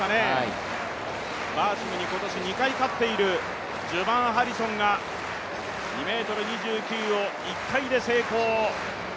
バーシムに今年２回勝っているジュバーン・ハリソンが２ｍ２９を１回で成功。